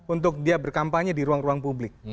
untuk dia berkampanye di ruang ruang publik